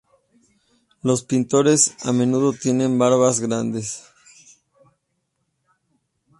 Los pintores a menudo tienen barbas grandes.